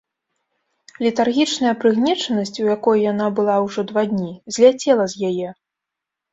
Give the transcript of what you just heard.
Летаргічная прыгнечанасць, у якой яна была ўжо два дні, зляцела з яе.